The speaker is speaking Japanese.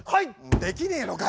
できねえのかよ